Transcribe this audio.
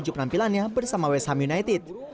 baju penampilannya bersama west ham united